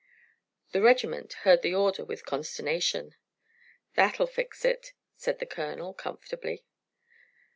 The regiment heard the order with consternation. "That'll fix it," said the colonel, comfortably.